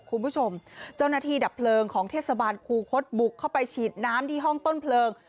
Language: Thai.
คุณผู้ชมเจ้าหน้าที่ดับเพลิงของเทศบาลคูคศบุกเข้าไปฉีดน้ำที่ห้องต้นเพลิง